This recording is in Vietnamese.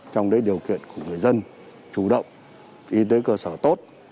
trong điều kiện của người dân chủ động y tế cơ sở tốt